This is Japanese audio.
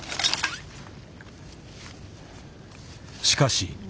しかし。